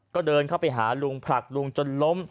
ก็เดินเข้าไปหาลุงผลักลุงจนล้ม